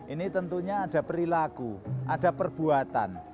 ini tentunya ada perilaku ada perbuatan